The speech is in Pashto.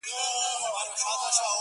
وه كلي ته زموږ راځي مـلـنگه ككـرۍ _